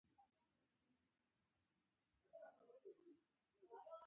ټولو د هغې په حال اوښکې تویولې